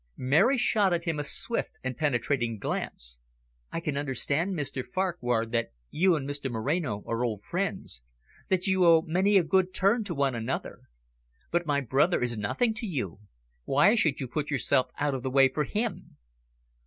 Mary shot at him a swift and penetrating glance. "I can understand, Mr Farquhar, that you and Mr Moreno are old friends, that you owe many a good turn to one another. But my brother is nothing to you. Why should you put yourself out of the way for him?"